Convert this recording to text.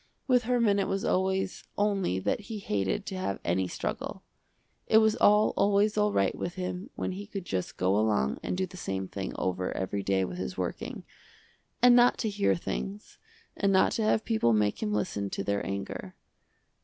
With Herman it was always only that he hated to have any struggle. It was all always all right with him when he could just go along and do the same thing over every day with his working, and not to hear things, and not to have people make him listen to their anger.